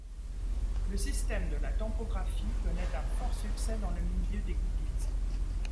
Le système de la tampographie connaît un fort succès dans le milieu des goodies.